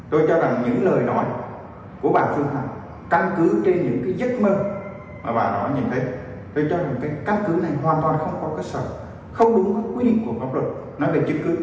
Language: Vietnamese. tôi cho rằng những lời nói của bà phương hằng căn cứ trên những giấc mơ mà bà nói như thế tôi cho rằng cái căn cứ này hoàn toàn không có cơ sở không đúng với quyền của ngốc lực nó bị trực cư